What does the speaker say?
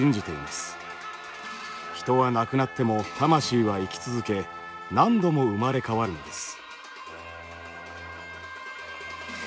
人は亡くなっても魂は生き続け何度も生まれ変わるんです。